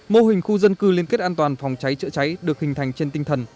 mô hình khu dân cư liên kết an toàn phòng cháy chữa cháy được hình thành trên tinh thần